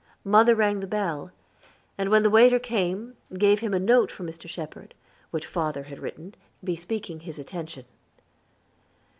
Mother rang the bell, and when the waiter came gave him a note for Mr. Shepherd, which father had written, bespeaking his attention.